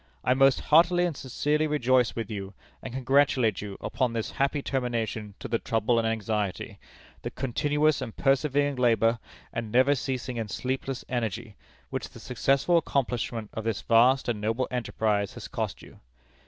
I most heartily and sincerely rejoice with you, and congratulate you, upon this happy termination to the trouble and anxiety, the continuous and persevering labor, and never ceasing and sleepless energy, which the successful accomplishment of this vast and noble enterprise has cost you.